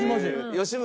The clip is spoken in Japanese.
吉村。